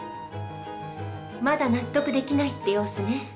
まだ納得できないって様子ね。